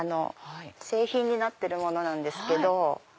製品になってるものなんですけど。